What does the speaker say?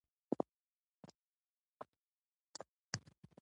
ژرنده که دې پلار ده هم په وار ده.